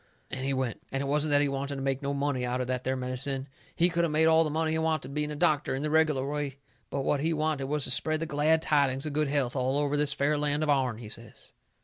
And he went. It wasn't that he wanted to make no money out of that there medicine. He could of made all the money he wanted being a doctor in the reg'lar way. But what he wanted was to spread the glad tidings of good health all over this fair land of ourn, he says.